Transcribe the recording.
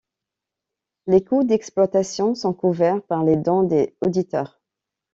Les coûts d'exploitation sont couverts par les dons des auditeurs.